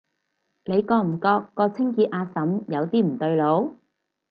你覺唔覺個清潔阿嬸有啲唔對路？